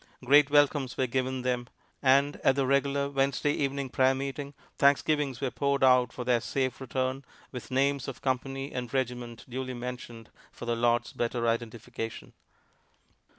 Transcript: Great welcomes were given them; and at the regular Wednesday evening prayer meeting thanksgivings were poured out for their safe return, with names of company and regiment duly mentioned for the Lord's better identification.